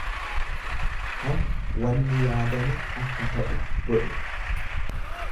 kan wanni yaadame akka ta'u godhu.